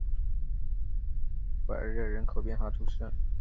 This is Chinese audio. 布尔热人口变化图示